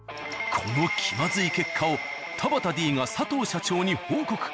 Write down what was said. この気まずい結果を田端Ｄが佐藤社長に報告。